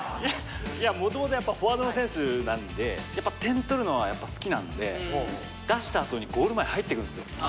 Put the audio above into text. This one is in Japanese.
もともとやっぱフォワードの選手なんでやっぱ点取るのは好きなんで出したあとにゴール前入ってくんですよ。